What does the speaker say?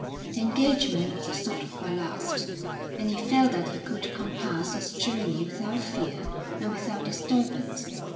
The engagement was a sort of ballast, and he felt that he could compass his journey without fear and without disturbance.